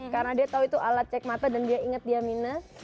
karena dia tahu itu alat cek mata dan dia inget dia minus